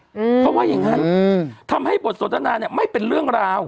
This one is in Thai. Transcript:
เพราะว่าอย่างงั้นอืมทำให้บทสนทนาเนี้ยไม่เป็นเรื่องราว